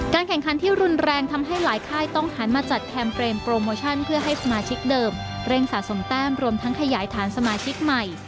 แข่งขันที่รุนแรงทำให้หลายค่ายต้องหันมาจัดแคมเปรมโปรโมชั่นเพื่อให้สมาชิกเดิมเร่งสะสมแต้มรวมทั้งขยายฐานสมาชิกใหม่